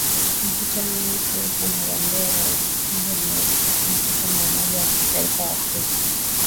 Mkutano wetu huko Marondera ulipigwa marufuku, mkutano wa Umoja wa Kitaifa wa Afrika wa Zimbabwe Mbele ulikuwa kwenye magari,